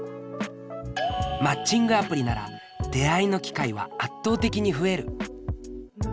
マッチングアプリなら出会いの機会は圧倒的に増える。